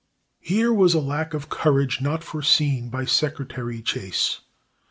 Here was a lack of courage not foreseen by Secretary Chase.